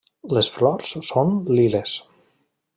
Les flors són liles.